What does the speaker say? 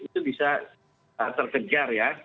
itu bisa terkejar ya